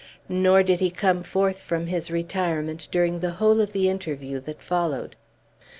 Nor did he come forth from this retirement during the whole of the interview that followed.